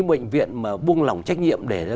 một bệnh viện mà buông lòng trách nhiệm để ra